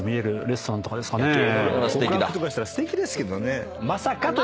告白とかしたらすてきですけどね。